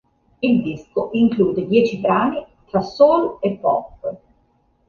Il disco include dieci brani tra soul e pop.